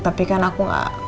tapi kan aku gak